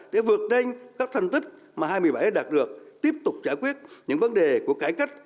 để vượt đênh các thành tích mà hai nghìn một mươi bảy đã đạt được tiếp tục giải quyết những vấn đề của cải cách